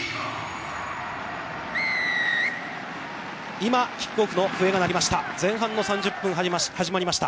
今、キックオフの笛が鳴りました。